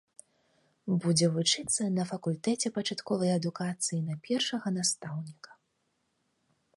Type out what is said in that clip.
Будзе вучыцца на факультэце пачатковай адукацыі на першага настаўніка.